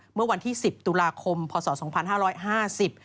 เมื่อวันที่๑๐ตุลาคมพศ๒๕๕๐